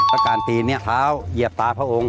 และการตีนี่เพราะเอาเหยียบตาพระองค์